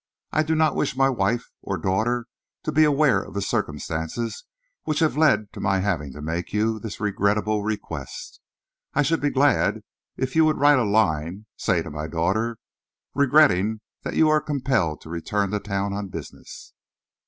I do not wish my wife or daughter to be aware of the circumstances which have led to my having to make you this regrettable request. I should be glad if you would write a line, say to my daughter, regretting that you are compelled to return to town on business."